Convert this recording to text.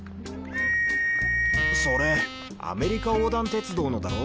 それアメリカ横断鉄道のだろ？